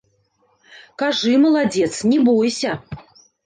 Кажы, маладзец, не бойся!